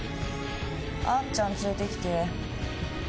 あっちゃん連れてきて。